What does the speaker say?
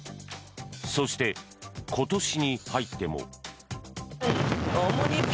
そして、今年に入っても。